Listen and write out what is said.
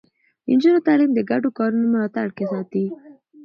د نجونو تعليم د ګډو کارونو ملاتړ ساتي.